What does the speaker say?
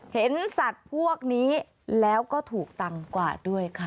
เห็นสัตว์พวกนี้แล้วก็ถูกตังค์กว่าด้วยค่ะ